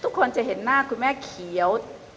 ทุกคนจะเห็นหน้าคุณแม่เขียว